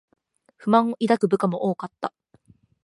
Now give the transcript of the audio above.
不満を抱く部下も多かった